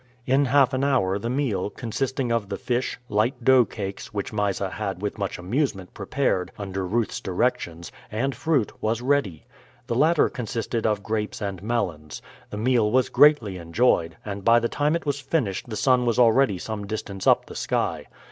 In half an hour the meal, consisting of the fish, light dough cakes, which Mysa had with much amusement prepared under Ruth's directions, and fruit, was ready. The latter consisted of grapes and melons. The meal was greatly enjoyed, and by the time it was finished the sun was already some distance up the sky.